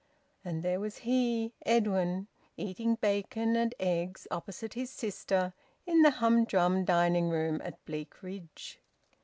And there was he, Edwin, eating bacon and eggs opposite his sister in the humdrum dining room at Bleakridge.